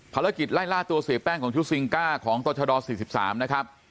ภารกิจไล่ล่าตัวเสียแป้งของชุดซิงก้าของตัวชะดอส๔๓นะครับ